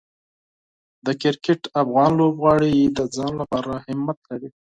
د کرکټ افغان لوبغاړي د ځان لپاره همت لري.